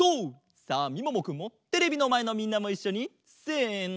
さあみももくんもテレビのまえのみんなもいっしょにせの！